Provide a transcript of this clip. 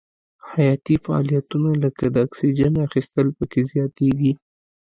حیاتي فعالیتونه لکه د اکسیجن اخیستل پکې زیاتیږي.